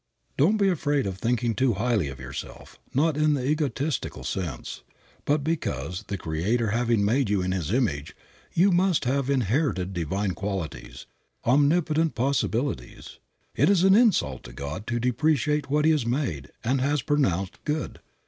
Don't be afraid of thinking too highly of yourself, not in the egotistical sense, but because (the Creator having made you in His image) you must have inherited divine qualities, omnipotent possibilities. It is an insult to God to depreciate what He has made and has pronounced good.